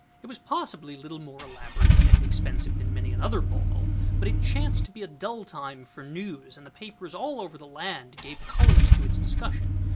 It was possibly little more elaborate and expensive than many another ball, but it chanced to be a dull time for news and the papers all over the land gave columns to its discussion.